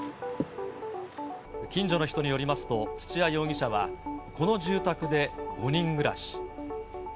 近所の人によりますと、土屋容疑者はこの住宅で５人暮らし。